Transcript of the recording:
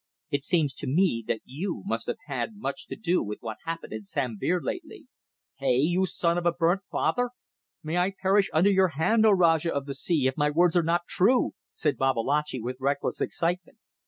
"It seems to me that you must have had much to do with what happened in Sambir lately. Hey? You son of a burnt father." "May I perish under your hand, O Rajah of the sea, if my words are not true!" said Babalatchi, with reckless excitement.